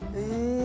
え。